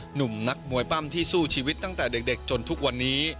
หนุ่มนักมวยปั้มที่สู้ชีวิตตั้งแต่เด็กจนทุกวันนี้